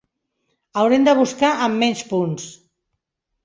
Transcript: Haurem de buscar en menys punts.